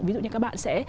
ví dụ như các bạn sẽ